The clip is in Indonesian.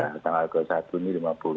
nah tanggal dua puluh satu ini lima puluh empat